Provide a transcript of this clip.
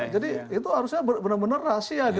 jadi itu harusnya benar benar rahasia